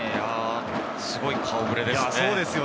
すごい顔触れですね。